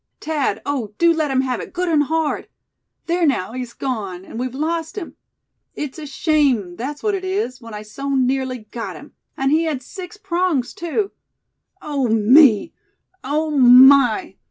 Thad, oh, do let him have it good and hard! There, now he's gone, and we've lost him! It's a shame, that's what it is, when I so nearly got him. And he had six prongs too! Oh, me! oh, my!